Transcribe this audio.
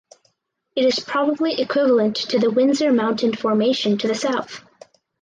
It is probably equivalent to the Windsor Mountain Formation to the south.